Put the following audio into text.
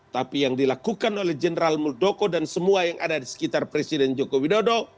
tapi yang dilakukan oleh general muldoko dan semua yang ada di sekitar presiden joko widodo